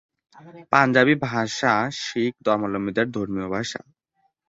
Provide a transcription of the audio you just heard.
পাঞ্জাবি ভাষা শিখ ধর্মাবলম্বীদের ধর্মীয় ভাষা।